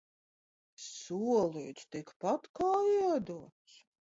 Solīts – tikpat kā iedots.